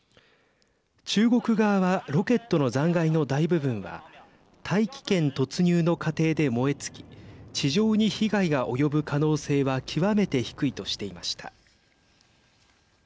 中国側はロケットの残骸の大部分は大気圏突入の過程で燃え尽き地上に被害が及ぶ可能性は極めて低いとしていました。